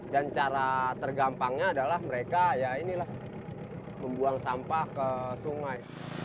dan cara tergampangnya adalah mereka ya inilah membuang sampah ke sungai